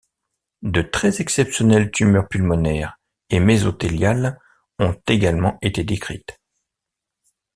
De très exceptionnelles tumeurs pulmonaires et mésothéliales ont également été décrites.